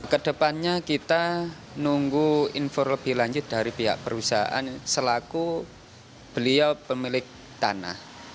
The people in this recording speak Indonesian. kedepannya kita nunggu info lebih lanjut dari pihak perusahaan selaku beliau pemilik tanah